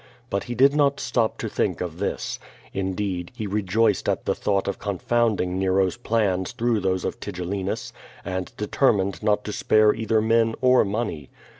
But he did not stop to think oif this. Indeed, he rejoiced at the thought of confounding Nero's plans through those of Tigellinus, and determined not to spare either men or money.